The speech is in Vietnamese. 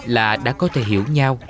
là đã có thể hiểu nhau